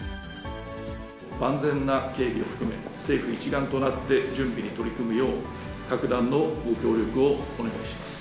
万全な警備を含め、政府一丸となって準備に取り組むよう、格段のご協力をお願いします。